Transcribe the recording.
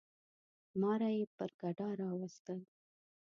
ماره یي پر ګډا راوستل.